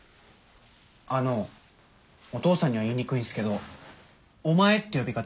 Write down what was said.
あのお父さんには言いにくいんすけど「お前」って呼び方